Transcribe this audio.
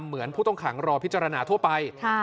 เหมือนผู้ต้องหาอื่นรวมรอพิจารณาทั่วไป